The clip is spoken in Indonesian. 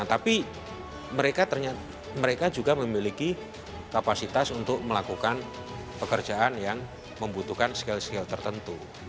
tapi mereka juga memiliki kapasitas untuk melakukan pekerjaan yang membutuhkan skill skill tertentu